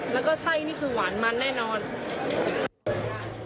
แล้วก็ไส้นี่คือหวานมันแน่นอน